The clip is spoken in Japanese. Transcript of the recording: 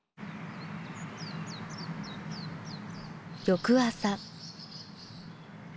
翌朝。